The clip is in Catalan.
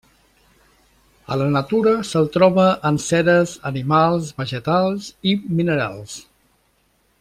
A la natura se'l troba en ceres animals, vegetals i minerals.